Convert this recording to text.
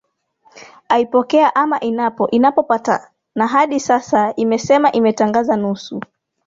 aa ipokea ama inapo inapopata na hadi sasa imesema imetangaza nusu